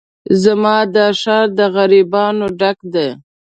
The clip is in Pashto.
زما دا ښار د غريبانو ډک دی